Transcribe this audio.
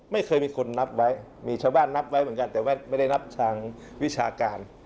ไม่เคยมีคนนับไว้มีชาวบ้านนับไว้เหมือนกันแต่ว่าไม่ได้นับทางวิชาการ